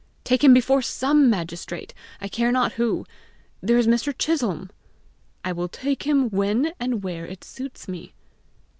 "Take him before SOME magistrate I care not who. There is Mr. Chisholm!" "I will take him when and where it suits me."